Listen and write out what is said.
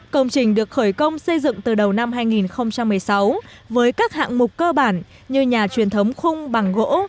công trình được khởi công xây dựng từ đầu năm hai nghìn một mươi sáu với các hạng mục cơ bản như nhà truyền thống khung bằng gỗ